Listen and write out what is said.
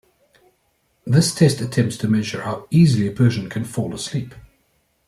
This test attempts to measure how easily a person can fall asleep.